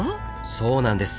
そうなんです。